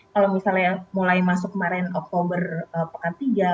kalau misalnya mulai masuk kemarin oktober pekan tiga